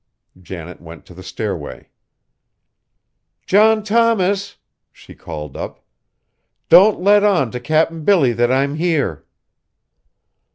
Janet went to the stairway. "John Thomas!" she called up, "don't let on to Cap'n Billy that I'm here."